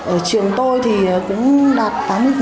ở trường tôi thì cũng đạt tám mươi tám mươi